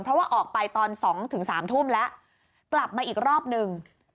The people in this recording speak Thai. เพราะว่าออกไปตอน๒๓ทุ่มแล้วกลับมาอีกรอบหนึ่ง